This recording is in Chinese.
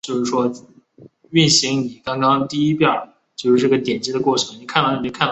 为河北派形意拳最主要的传承者之一。